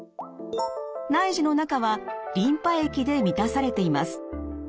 内耳の中はリンパ液で満たされています。